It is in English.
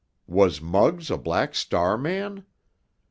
Was Muggs a Black Star man?